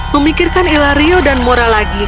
memikirkan elario dan mora lagi